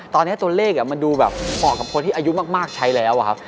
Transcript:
ตอนนี้ตัวเลขมันดูแบบเหมาะกับคนที่อายุมากใช้แล้วอะครับ